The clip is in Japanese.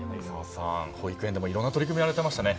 保育園でもいろいろな取り組みをされていますね。